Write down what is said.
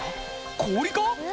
氷か？